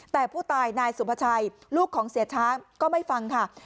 แต่ผู้ตายนายสุภาชัยลูกของเสียช้างก็ไม่ฟังค่ะ